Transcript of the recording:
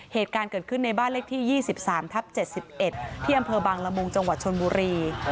เหตุการณ์เกิดขึ้นในบ้านเลขที่๒๓ทับ๗๑ที่อำเภอบางละมุงจังหวัดชนบุรี